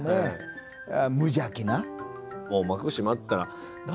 無邪気な。